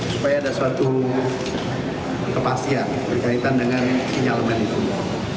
supaya ada suatu kepastian berkaitan dengan sinyal mengembangnya